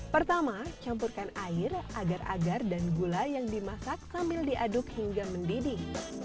pertama campurkan air agar agar dan gula yang dimasak sambil diaduk hingga mendidih